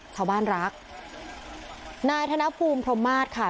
ชาวบ้านรักนายธนภูมิพรหมาศค่ะ